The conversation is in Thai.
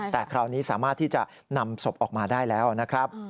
แต่คราวนี้สามารถที่จะนำศพออกมาได้แล้วนะครับ